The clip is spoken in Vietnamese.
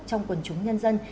trong quần chúng nhân dân